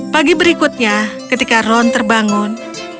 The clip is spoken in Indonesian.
pagi berikutnya ketika ron terbangun